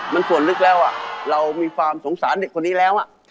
มันส่วนลึกแล้วเรามีความสงสารเด็กคนนี้แล้ว